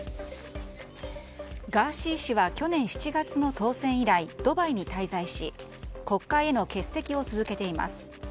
ガーシー氏は去年７月の当選以来ドバイに滞在し国会への欠席を続けています。